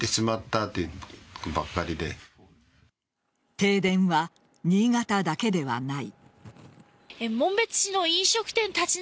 停電は新潟だけではない。